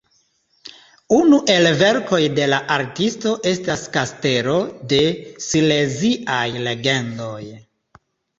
Unu el verkoj de la artisto estas Kastelo de Sileziaj Legendoj.